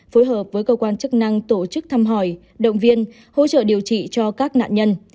phối hợp với cơ quan chức năng tổ chức thăm hỏi động viên hỗ trợ điều trị cho các nạn nhân